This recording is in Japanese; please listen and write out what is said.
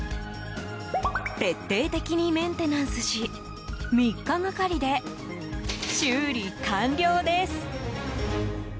徹底的にメンテナンスし３日がかりで修理完了です。